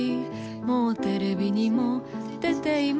もうＴＶにも出ています